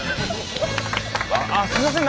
あっすみません